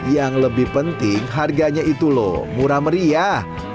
yang lebih penting harganya itu loh murah meriah